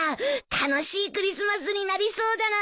楽しいクリスマスになりそうだな。